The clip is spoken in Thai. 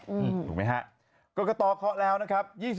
ถูกไหมฮะกรกตเคาะแล้วนะครับ